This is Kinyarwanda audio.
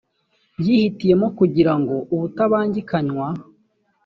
yihitiyemo kugira ngo ubutabangikanywa